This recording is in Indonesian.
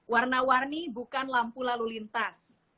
warna warni bukan lampu lalu lintas